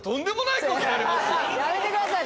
やめてください！